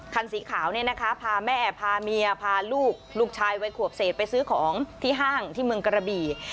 คันสีขาวเนี่ยนะคะพาแม่พาเมียพาลูกลูกชายวัยขวบเศษไปซื้อของที่ห้างที่เมืองกระบี่